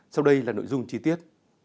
sau đây là nội dung chi tiết